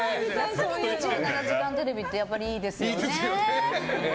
「２７時間テレビ」ってやっぱりいいですよね。